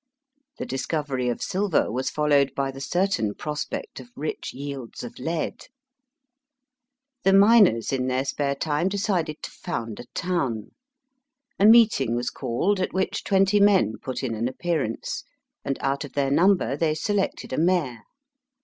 The discovery of silver was followed by the certain prospect of rich yields of lead. The miners in their spare time decided to found a town. A meeting was called, at which twenty men put in an appearance, and out of their number they selected a mayor.